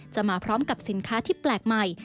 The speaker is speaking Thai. มาพร้อมกับสินค้าที่แปลกใหม่